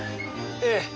ええ。